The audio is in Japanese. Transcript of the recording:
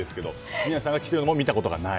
宮司さんが着ているところも見たことない。